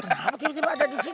kenapa tiba tiba ada di sini